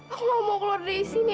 aku mau keluar dari sini